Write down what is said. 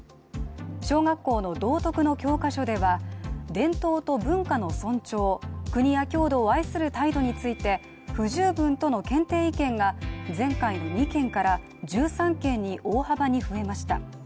小学校の道徳の教科書では伝統と文化の尊重国や郷土を愛する態度について不十分との検定意見が前回の２件から１３件に大幅に増えました。